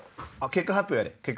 結果発表やれ。